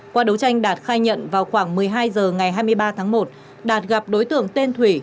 qua đấu tranh đạt khai nhận vào khoảng một mươi hai h ngày hai mươi ba tháng một đạt gặp đối tượng tên thủy